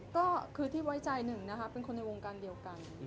ก็คือที่ไว้ใจหนึ่งนะคะเป็นคนในวงการเดียวกัน